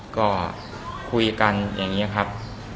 ก็คุยกันอย่างนี้ครับ